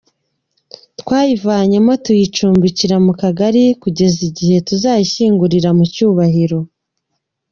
Twayivanyemo tuyicumbikira mu Kagali kugeza igihe tuzashyingurira mu cyubahiro.